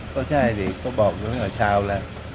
ก็ใช่สิก็บอกเมื่อเช้าแล้ว